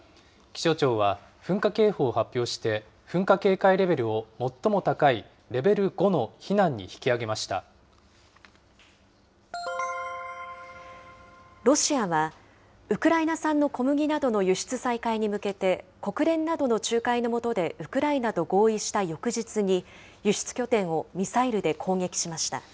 気象庁は、噴火警報を発表して噴火警戒レベルを最も高いレベル５の避難に引ロシアは、ウクライナ産の小麦などの輸出再開に向けて、国連などの仲介の下でウクライナと合意した翌日に、輸出拠点をミサイルで攻撃しました。